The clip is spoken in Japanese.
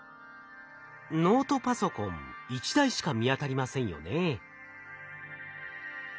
ノートパソコン一台しか見当たりませんよね。